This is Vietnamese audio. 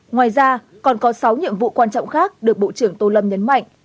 ngoài ra còn có sáu nhiệm vụ quan trọng khác được bộ trưởng tô lâm nhấn mạnh